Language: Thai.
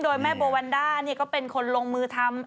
โดยแม่โบวันด้าก็เป็นคนลงมือทำ